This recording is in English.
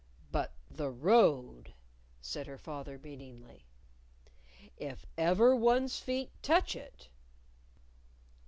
"But the road!" said her father meaningly. "If ever one's feet touch it